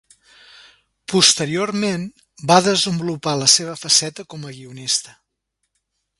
Posteriorment, va desenvolupar la seva faceta com a guionista.